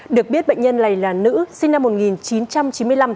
được biết bệnh nhân này là nữ sinh năm một nghìn chín trăm chín mươi năm